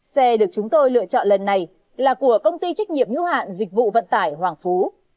xe được chúng tôi lựa chọn lần này là của công ty trách nhiệm hữu hạn dịch vụ vận tải hoàng phú